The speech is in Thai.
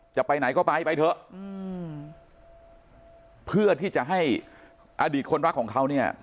จะไปไหนก็ไปไปเถอะอืมเพื่อที่จะให้อดีตคนรักของเขาเนี่ย